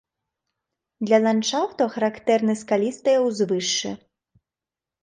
Для ландшафтаў характэрны скалістыя ўзвышшы.